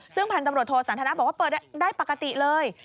ซึ่งพันธุ์ตำรวจโทสันทนาบอกว่าเปิดได้ปกติเลย